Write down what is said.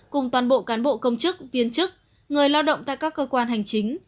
cùng toàn bộ cán bộ công chức viên chức người lao động tại các cơ quan hành chính